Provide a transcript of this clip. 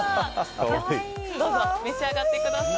皆さんどうぞ召し上がってください。